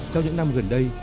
trong những năm gần đây